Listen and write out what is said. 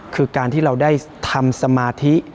คือการที่เราได้ทำสมาธิ